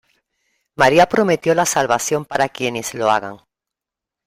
María prometió la salvación para quienes lo hagan"".